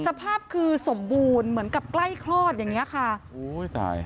สภาพคือสมบูรณ์เหมือนกับใกล้คลอดอย่างเงี้ยค่ะโอ้ยตาย